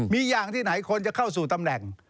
มีอย่างที่ไหนควรจะเข้าสู่ตำแหน่ง